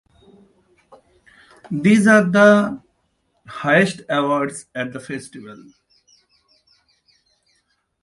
These are the highest awards at the festival.